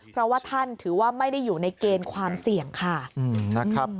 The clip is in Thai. เพราะว่าท่านถือว่าไม่ได้อยู่ในเกณฑ์ความเสี่ยงค่ะนะครับ